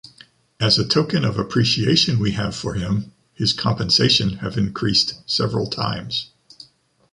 As a token of appreciation we have for him, his compensation have increased several times.